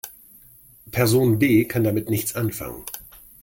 Person B kann damit nichts anfangen.